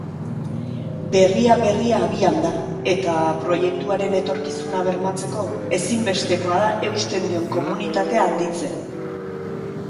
Berria berria abian da, eta, proiektuaren etorkizuna bermatzeko, ezinbestekoa da eusten dion komunitatea handitzea.